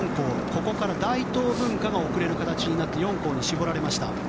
ここから大東文化が遅れる形になって４校に絞られました。